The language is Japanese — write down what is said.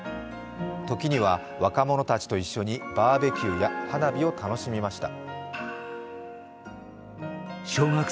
時には若者たちと一緒にバーベキューや花火を楽しみました。